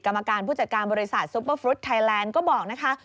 กรรมการผู้จัดการบริษัทซุปเปอร์ฟรุตไทยแลนด์ก็บอกนะคะ